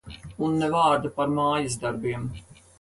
Un ne vārda par mājasdarbiem.